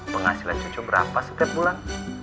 penghasilan cucu berapa setiap bulan